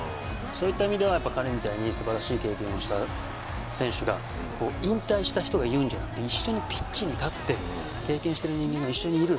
そういった意味では彼みたいに素晴らしい経験をした選手が引退した人が言うんじゃなくて一緒にピッチに立って経験している人間が一緒にいる。